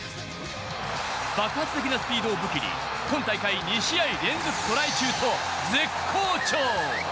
爆発的なスピードを武器に、今大会２試合連続でトライ中と絶好調。